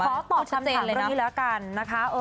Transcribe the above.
ขอตอบคำถามเรื่องนี้แล้วกันนะคะ